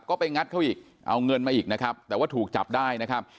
ก็ไปงัดเขาอีกเอาเงินมาอีกนะครับแต่ว่าถูกจับได้นะครับ